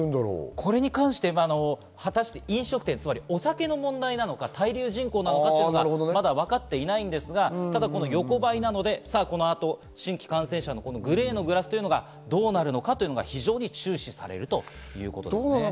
これに関して飲食店、お酒の問題なのか滞留人口なのかはまだ分かっていないんですが、ただ横ばいなので、この後、新規感染者のグレーのグラフがどうなるのかが非常に注視されるということです。